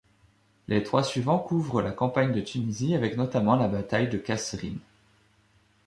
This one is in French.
Les trois suivants couvrent la campagne de Tunisie avec notamment la bataille de Kasserine.